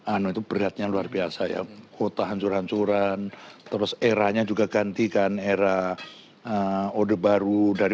anu itu beratnya luar biasa ya kota hancur hancuran terus eranya juga gantikan era odeh baru dari